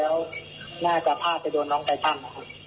แล้วน่าจะพลาดไปโดนน้องไก่ตั้ง